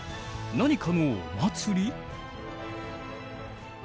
何かのお祭り？